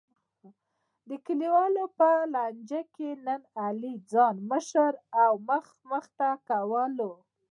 د کلیوالو په لانجه کې نن علی ځان مشر او مخته مخته کولو.